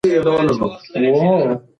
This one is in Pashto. رحیمي صیب په مېز باندې نری کمپیوټر ایښی و.